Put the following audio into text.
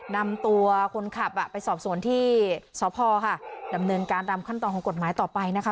นำตัวคนขับไปสอบสวนที่สพค่ะดำเนินการตามขั้นตอนของกฎหมายต่อไปนะคะ